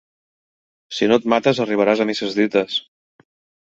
Si no et mates, arribaràs a misses dites.